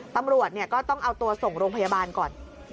ตำรวจก็ต้องเอาตัวส่งโรงพยาบาลก่อน